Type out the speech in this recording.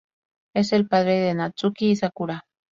Es el padre de Natsuki y Sakura.